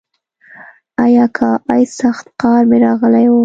ای اکا ای سخت قار مې راغلی و.